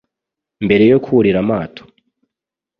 mbere yo kurira amato.